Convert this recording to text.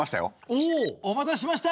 おお！お待たせしました。